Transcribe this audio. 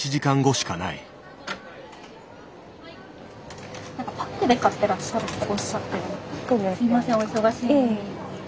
すいませんお忙しいのに。